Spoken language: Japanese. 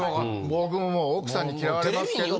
僕ももう奥さんに嫌われますけど。